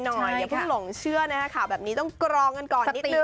อย่าเพิ่งหลงเชื่อนะคะข่าวแบบนี้ต้องกรองกันก่อนนิดนึ